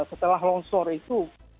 setelah longsor itu